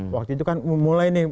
waktu itu kan memulai nih